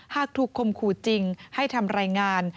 หากถูกคมขู่จริงให้ทำรายงาน